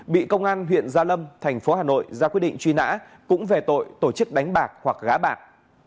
bị công an huyện gia lâm thành phố hà nội ra quyết định truy nã cũng về tội tổ chức đánh bạc hoặc gá bạc